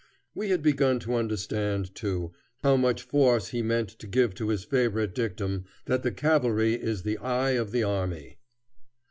We had begun to understand, too, how much force he meant to give to his favorite dictum that the cavalry is the eye of the army.